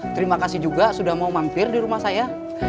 terima kasih juga sudah mau mampir di rumah saya